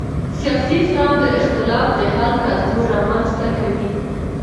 سیاسي زغم د اختلاف د حل کلتور رامنځته کوي